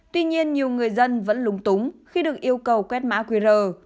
tuy nhiên nhiều người dân vẫn lúng túng khi được yêu cầu quét mã qr